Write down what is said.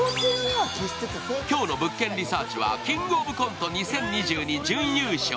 今日の「物件リサーチ」はキングオブコント２０２０準優勝。